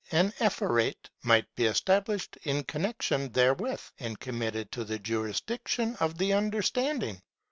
An Ephorate* might be esta blished in connection therewith, and committed to the jurisdiction of the understanding.